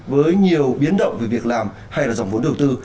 với nhiều biến động về việc làm hay là dòng vốn đầu tư